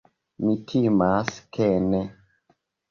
Mi timas, ke ne.